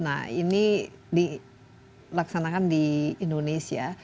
nah ini dilaksanakan di indonesia